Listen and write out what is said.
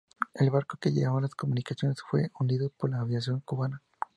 El barco que llevaba las municiones fue hundido por la aviación Cubana.